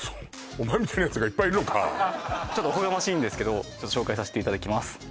お前みたいなやつがいっぱいいるのかちょっとおこがましいんですけど紹介さしていただきます